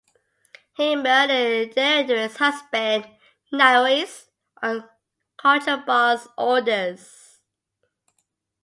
He murdered Deirdre's husband, Naoise, on Conchobar's orders.